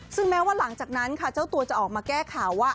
ซึ่งแม้ว่าหลังจากนั้นค่ะเจ้าตัวจะออกมาแก้ข่าวว่า